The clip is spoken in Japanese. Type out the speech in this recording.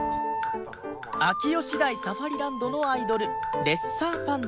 秋吉台サファリランドのアイドルレッサーパンダ